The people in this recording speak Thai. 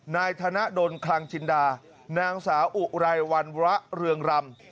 นายธนดลคลังจินดานางสาวอุไรวันระเรืองรำ